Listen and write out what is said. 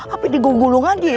api digonggolong aja ya